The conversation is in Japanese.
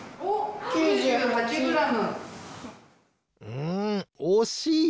うんおしい！